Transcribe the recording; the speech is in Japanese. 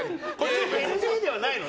ＮＧではないのね？